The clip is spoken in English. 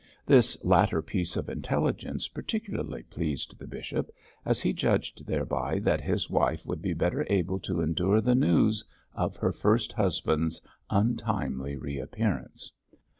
This latter piece of intelligence particularly pleased the bishop, as he judged thereby that his wife would be better able to endure the news of her first husband's untimely re appearance.